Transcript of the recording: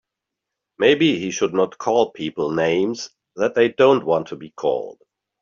Maybe he should not call people names that they don't want to be called.